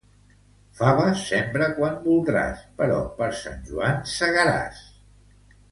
Faves sembra quan voldràs, però per Sant Joan segaràs.